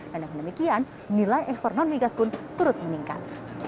dan dengan demikian nilai ekspor non migas pun turut meningkat